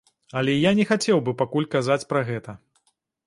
Але я не хацеў бы пакуль казаць пра гэта.